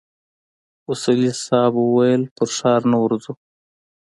اصولي صیب وويل پر ښار نه ورځو.